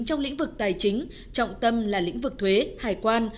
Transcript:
trong lĩnh vực tài chính trọng tâm là lĩnh vực thuế hải quan